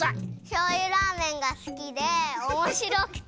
しょうゆラーメンがすきでおもしろくて。